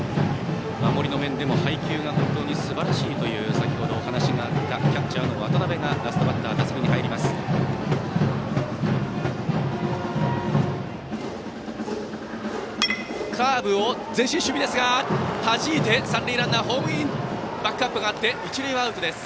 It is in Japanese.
守りの面でも配球がすばらしいという先程お話があったキャッチャーの渡辺がラストバッター打席に入っています。